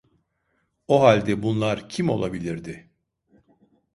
O halde bunlar kim olabilirdi?